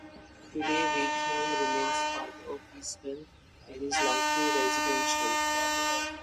Today Wakeham remains part of Easton, and is largely residential.